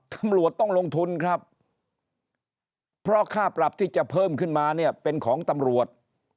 ตำรวจต้องลงทุนครับเพราะค่าปรับที่จะเพิ่มขึ้นมาเนี่ยเป็นของตำรวจ